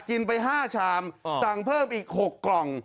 กินไป๕ชามสั่งเพิ่มอีก๖กล่อง